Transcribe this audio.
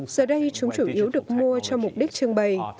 giờ đây chúng chủ yếu được mua cho mục đích trưng bày